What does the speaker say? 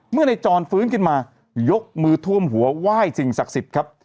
เมื่อในจรฟื้นขึ้นมายกมือท่วมหัวไหว้สิ่งศักดิ์สิทธิ์ครับ